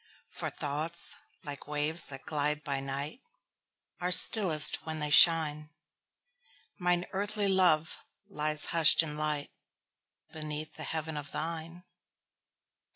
For thoughts, like waves that glide by night, Are stillest when they shine; Mine earthly love lies hush'd in lightBeneath the heaven of thine.